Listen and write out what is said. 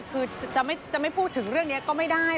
คือจะไม่พูดถึงเรื่องนี้ก็ไม่ได้